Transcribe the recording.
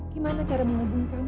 gimana cara menghubungi kamu